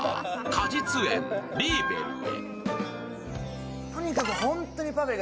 果実園リーベルへ。